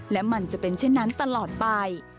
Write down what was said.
และมันจะเป็นเช่นนั้นตลอดไป